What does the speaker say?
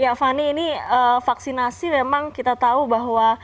ya fani ini vaksinasi memang kita tahu bahwa